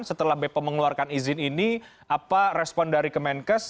setelah bepom mengeluarkan izin ini apa respon dari kemenkes